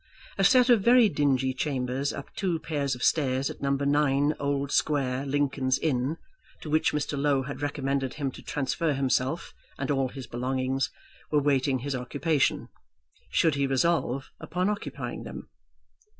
A set of very dingy chambers up two pairs of stairs at No. 9, Old Square, Lincoln's Inn, to which Mr. Low had recommended him to transfer himself and all his belongings, were waiting his occupation, should he resolve upon occupying them.